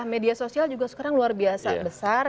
media sosial juga sekarang luar biasa besar